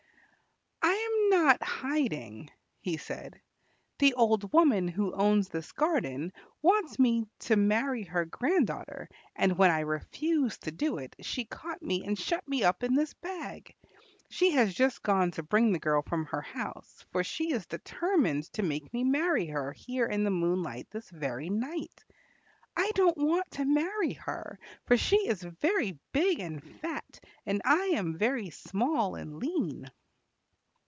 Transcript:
"I am not hiding," he said. "The old woman who owns this garden wants me to marry her grand daughter, and when I refused to do it she caught me and shut me up in this bag; she has just gone to bring the girl from her house, for she is determined to make me marry her here in the moonlight this very night. I don't want to marry her, for she is very big and fat, and I am very small and lean."